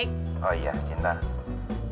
kapanupandangan pineal awareness